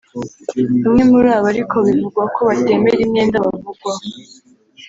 Bamwe muri aba ariko bivugwa ko batemera imyenda bavugwaho